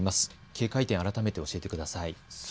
警戒点を改めて教えてください。